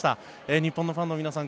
日本のファンの皆さん